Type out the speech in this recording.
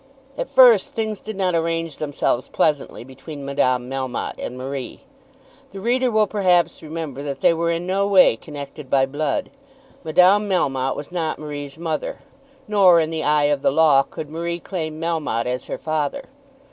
At first things did not arrange themselves pleasantly between Madame Melmotte and Marie. The reader will perhaps remember that they were in no way connected by blood. Madame Melmotte was not Marie's mother, nor, in the eye of the law, could Marie claim Melmotte as her father.